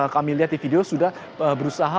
kami lihat di video sudah berusaha